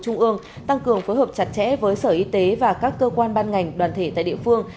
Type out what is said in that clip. trung ương tăng cường phối hợp chặt chẽ với sở y tế và các cơ quan ban ngành đoàn thể tại địa phương